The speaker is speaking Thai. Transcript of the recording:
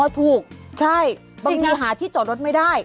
ถูกใช่บางทีหาที่จอดรถไม่ได้